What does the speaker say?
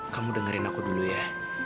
kamu dengerin aku dulu ya